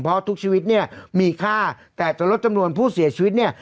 เพราะทุกชีวิตเนี่ยมีค่าแต่จะลดจำนวนผู้เสียชีวิตเนี่ย